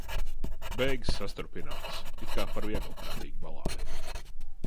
Beigas sastrupinātas, it kā par vieglprātīgu balādei.